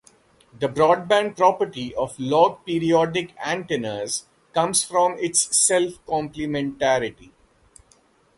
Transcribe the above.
The broadband property of log-periodic antennas comes from its self-complementarity.